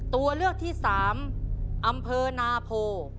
ตัวเลือกที่๓อำเภอนาโพ